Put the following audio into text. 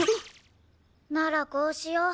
ならこうしよう。